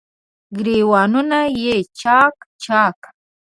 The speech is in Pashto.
ګریوانونه یې چا ک، چا ک